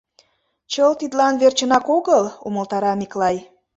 — Чылт тидлан верчынак огыл, — умылтара Миклай.